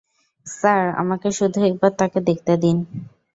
Sir, আমাকে শুধু একবার তাকে দেখতে দিন।